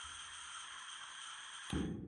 دا څو لسیزې چټکه اقتصادي وده د پام وړ ده.